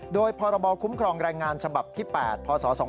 โดยพรบคุ้มครองแรงงานฉบับที่๘พศ๒๕๖